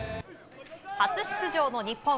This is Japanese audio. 初出場の日本。